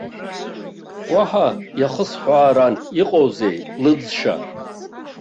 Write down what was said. Уаҳа иахысҳәааран иҟоузеи лыӡшьа.